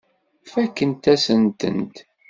Fakkent-asent-tent.